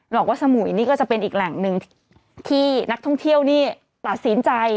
บอกว่าสมุยนี่ก็จะเป็นอีกแหล่งหนึ่งที่นักท่องเที่ยวนี่ตัดสินใจ